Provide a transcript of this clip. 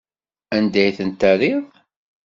Anda ay tent-terriḍ?